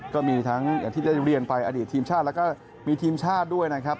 ก็มีทั้งอย่างที่ได้เรียนไปอดีตทีมชาติแล้วก็มีทีมชาติด้วยนะครับ